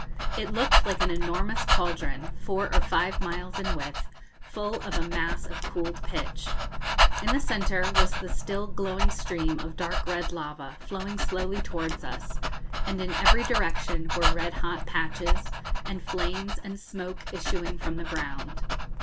It looked like an enormous cauldron, four or five miles in width, full of a mass of cooled pitch. In the centre was the still glowing stream of dark red lava, flowing slowly towards us, and in every direction were red hot patches, and flames and smoke issuing from the ground.